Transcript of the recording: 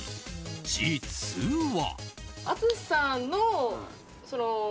実は。